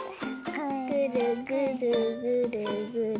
ぐるぐるぐるぐる。